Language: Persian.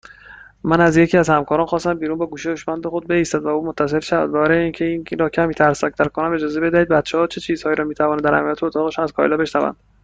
من از یکی از همکاران خواستم بیرون با گوشی هوشمند خود بایستد، و او متصل شود، و برای اینکه این را کمی ترسناکتر کنیم … (خنده) اجازه بدهید ببینیم بچهها چه چیزهایی را میتوانند در امنیت اتاقشان از کایلا بشنوند